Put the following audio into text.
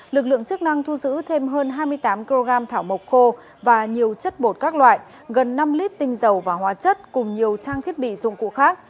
lực lượng chức năng thu giữ thêm hơn hai mươi tám kg thảo mộc khô và nhiều chất bột các loại gần năm lít tinh dầu và hóa chất cùng nhiều trang thiết bị dụng cụ khác